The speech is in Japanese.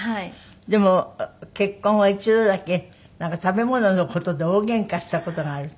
でも結婚後一度だけなんか食べ物の事で大ゲンカした事があるって。